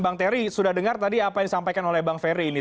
bang terry sudah dengar tadi apa yang disampaikan oleh bang ferry ini